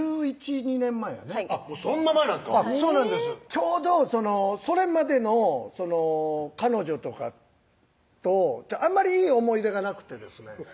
ちょうどそれまでの彼女とかとあんまりいい思い出がなくてですね